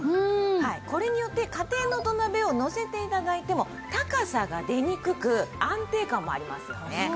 これによって家庭の土鍋をのせて頂いても高さが出にくく安定感もありますよね。